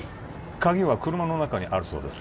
鍵は車の中にあるそうです